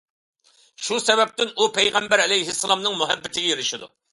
شۇ سەۋەبتىن ئۇ، پەيغەمبەر ئەلەيھىسسالامنىڭ مۇھەببىتىگە ئېرىشىدۇ.